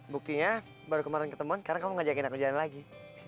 buktinya baru kemarin ketemuan karena kamu ngajakin aku jalan lagi